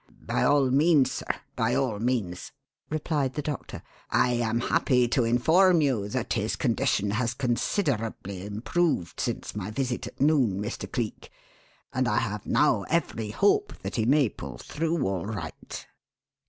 "By all means, sir, by all means," replied the doctor. "I am happy to inform you that his condition has considerably improved since my visit at noon, Mr. Cleek, and I have now every hope that he may pull through all right."